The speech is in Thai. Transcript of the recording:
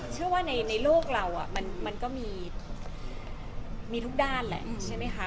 เชื่อว่าในโลกเรามันก็มีไม่ทุกด้านเลยใช่มั้ยคะ